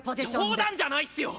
冗談じゃないっすよ！！